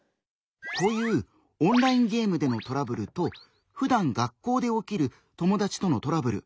こういうオンラインゲームでのトラブルとふだん学校で起きる友達とのトラブル。